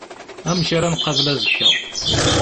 Amek ara nqabel azekka.